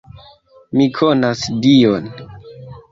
Mi konas Dion!